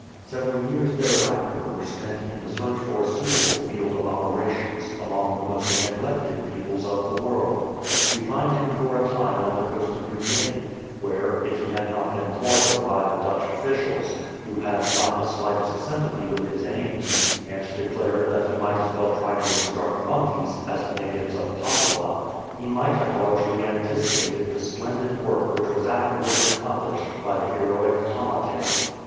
Several years thereafter were spent in the 243 ROMISH OPPOSITION search for a suitable field of operations among the most neglected peoples of the world. We find him for a time on the coast of New Guinea, where, if he had not been thwarted by the Dutch officials, who had not the slightest sympathy with his aims, and declared that he might as well try to instruct monkeys as the natives of Papua, he might have largely anticipated the splendid work which was afterwards accomplished by the heroic " Tamate."